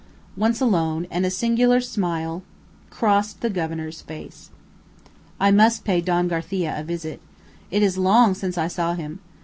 Once alone, and a singular smile crossed the governor's face. "I must pay Don Garcia a visit. It is long since I saw him.